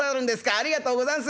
ありがとうござんす。